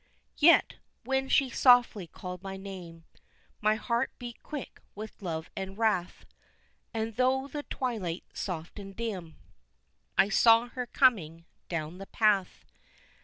Yet, when she softly called my name, My heart beat quick with love and wrath, And through the twilight soft and dim I saw her coming down the path.